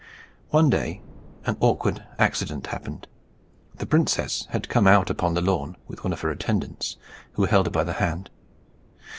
One day an awkward accident happened. The princess had come out upon the lawn with one of her attendants, who held her by the hand.